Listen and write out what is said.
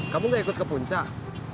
kamu gak ikut ke puncak